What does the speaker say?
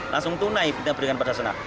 langsung tunai kita berikan pada senang